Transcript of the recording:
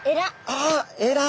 ああえら！